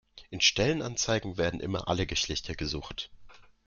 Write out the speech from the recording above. In Stellenanzeigen werden immer alle Geschlechter gesucht.